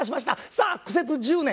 さあ苦節１０年